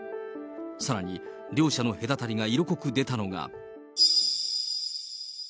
さらに、両者の隔たりが色濃く出たのが。